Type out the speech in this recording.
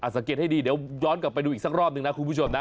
สังเกตให้ดีเดี๋ยวย้อนกลับไปดูอีกสักรอบหนึ่งนะคุณผู้ชมนะ